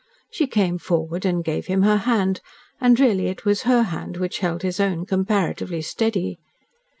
She came forward and gave him her hand, and really it was HER hand which held his own comparatively steady.